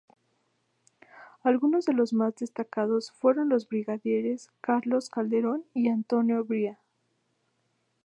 Algunos de los más destacados fueron los brigadieres Carlos Calderón y Antonio Brea.